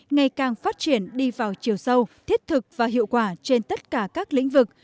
ngày càng phát triển đi vào chiều sâu thiết thực và hiệu quả trên tất cả các lĩnh vực